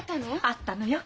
あったのよ。